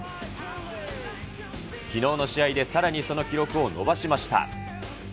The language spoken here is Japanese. きのうの試合でさらにその記録を伸ばしました。